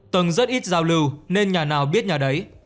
tầng rất ít giao lưu nên nhà nào biết nhà đấy